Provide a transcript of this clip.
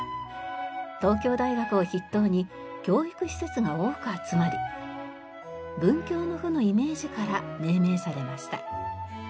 東京大学を筆頭に教育施設が多く集まり文教の府のイメージから命名されました。